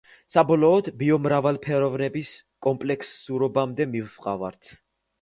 საბოლოოდ ბიომრავალფეროვნების კომპლექსურობამდე მივყავართ.